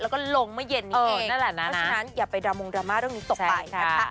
แล้วก็ลงเมื่อเย็นนี้เองนั่นแหละนะเพราะฉะนั้นอย่าไปดรามงดราม่าเรื่องนี้ตกไปนะคะ